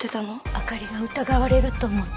朱莉が疑われると思って。